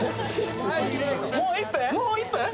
もう１分？